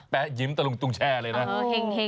แป๊ะยิ้มตะลุงตุงแช่เลยนะ